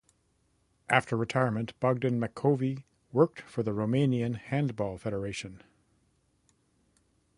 After retirement Bogdan Macovei worked for the Romanian Handball Federation.